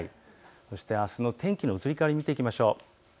そしてあすの天気の移り変わりを見ていきましょう。